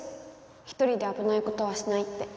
ひとりであぶないことはしないって。